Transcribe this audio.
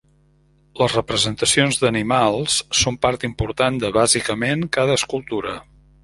Les representacions d'animals són part important de, bàsicament, cada escultura.